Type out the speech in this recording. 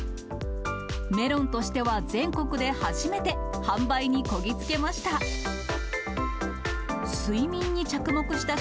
メロンとしては全国で初めて、販売にこぎ着けました。